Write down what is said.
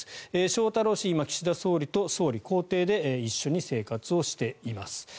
翔太郎氏、今岸田総理と総理公邸で一緒に生活しています。